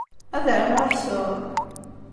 Ad rnuɣ aksum?